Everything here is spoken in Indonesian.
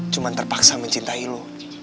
cuma terpaksa mencintai lo